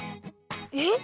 えっ？